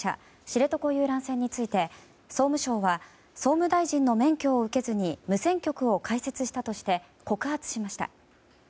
知床遊覧船について総務省は総務大臣の免許を受けずに無線局を開設したとして告発しました。